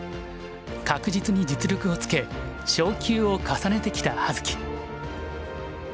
確実に実力をつけ昇級を重ねてきた葉月。